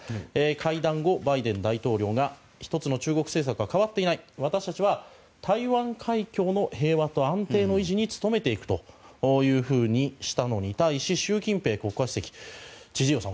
会談後、バイデン大統領が一つの中国政策は変わっていない私たちは台湾海峡の平和と安定の維持に努めていくというふうにしたのに対し習近平国家主席は、千々岩さん。